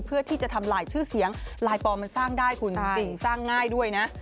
เพื่อที่จะทำลายชื่อเสียงลายปลอมมันสร้างได้คุณจริงสร้างง่ายด้วยนะ